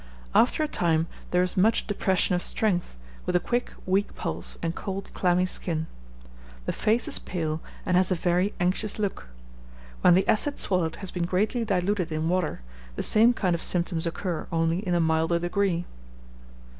After a time there is much depression of strength, with a quick, weak pulse, and cold, clammy skin. The face is pale, and has a very anxious look. When the acid swallowed has been greatly diluted in water, the same kind of symptoms occur, only in a milder degree.